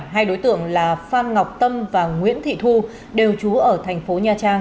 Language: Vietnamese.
hai đối tượng là phan ngọc tâm và nguyễn thị thu đều trú ở thành phố nha trang